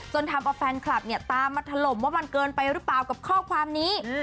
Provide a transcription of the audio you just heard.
ทำเอาแฟนคลับเนี่ยตามมาถล่มว่ามันเกินไปหรือเปล่ากับข้อความนี้